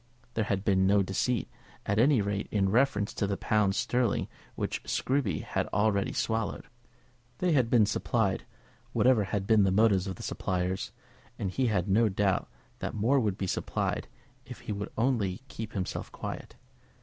There had been no deceit, at any rate, in reference to the pounds sterling which Scruby had already swallowed. They had been supplied, whatever had been the motives of the suppliers; and he had no doubt that more would be supplied if he would only keep himself quiet.